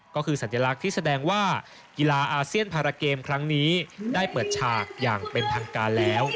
ก็คือสัญลักษณ์ที่แสดงว่ากีฬาอาเซียนพาราเกมครั้งนี้ได้เปิดฉากอย่างเป็นทางการแล้ว